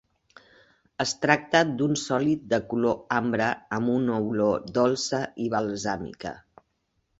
Es tracta d'un sòlid de color ambre amb una olor dolça i balsàmica.